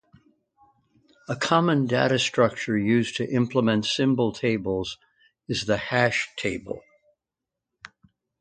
A common data structure used to implement symbol tables is the hash table.